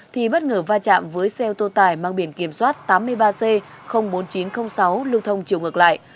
thì bất ngờ va chạm với xe ô tô tải mang biển kiểm soát tám mươi ba c bốn nghìn chín trăm linh sáu lưu thông chiều ngược lại